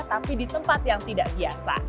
tapi di tempat yang tidak biasa